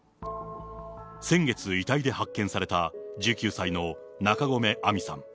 先月遺体で発見された、１９歳の中込愛美さん。